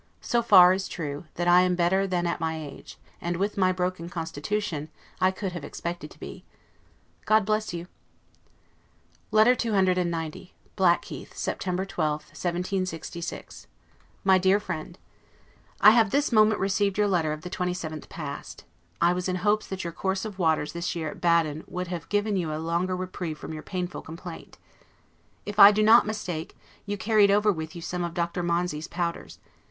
So far is true, that I am better than at my age, and with my broken constitution, I could have expected to be. God bless you! LETTER CCXC BLACKHEATH, September 12, 1766. MY DEAR FRIEND: I have this moment received your letter of the 27th past. I was in hopes that your course of waters this year at Baden would have given you a longer reprieve from your painful complaint. If I do not mistake, you carried over with you some of Dr. Monsey's powders.